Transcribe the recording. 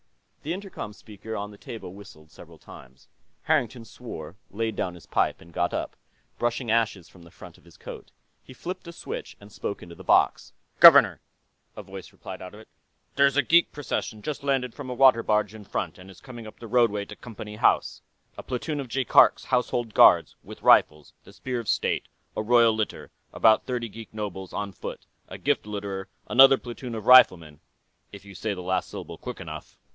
The intercom speaker on the table whistled several times. Harrington swore, laid down his pipe, and got up, brushing ashes from the front of his coat. He flipped a switch and spoke into the box. "Governor," a voice replied out of it, "there's a geek procession just landed from a water barge in front, and is coming up the roadway to Company House. A platoon of Jaikark's Household Guards, with rifles; the Spear of State; a royal litter; about thirty geek nobles, on foot; a gift litter; another platoon of riflemen, if you say the last syllable quick enough."